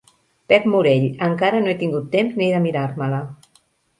Pep Morell encara no he tingut temps ni de mirar-me-la.